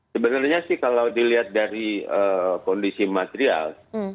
sebenarnya sih kalau dilihat dari kondisi material